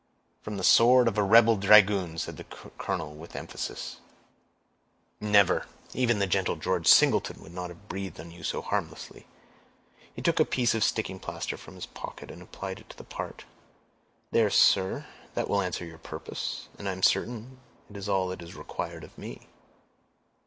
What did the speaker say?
"From the sword of a rebel dragoon," said the colonel, with emphasis. "Never. Even the gentle George Singleton would not have breathed on you so harmlessly." He took a piece of sticking plaster from his pocket, and applied it to the part. "There, sir; that will answer your purpose, and I am certain it is all that is required of me."